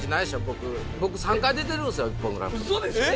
僕３回出てるんですよ